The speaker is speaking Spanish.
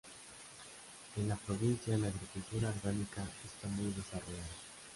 En la provincia la agricultura orgánica está muy desarrollada.